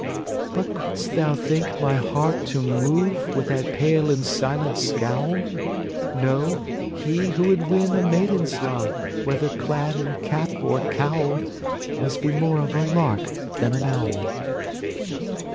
But, could'st thou think my heart to move With that pale and silent scowl? Know, he who would win a maiden's love, Whether clad in cap or cowl, Must be more of a lark than an owl.